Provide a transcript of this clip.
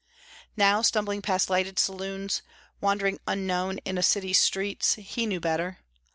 Now stumbling past lighted saloons, wandering unknown in a city's streets, he knew better.